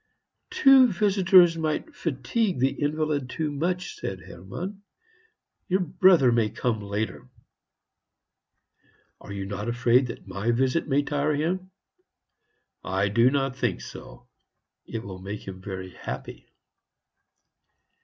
"Two visitors might fatigue the invalid too much," said Hermann; "your brother may come later." "Are you not afraid that my visit may tire him?" "I do not think so; it will make him very happy."